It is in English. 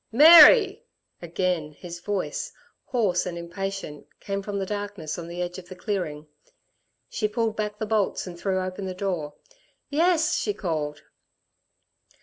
"Mary!" Again his voice, hoarse and impatient, came from the darkness on the edge of the clearing. She pulled back the bolts and threw open the door. "Yes," she called.